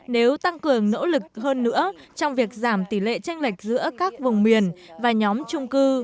nếu tăng cường nỗ lực hơn nữa trong việc giảm tỷ lệ tranh lệch giữa các vùng miền và nhóm trung cư